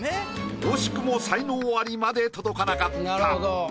惜しくも才能アリまで届かなかった。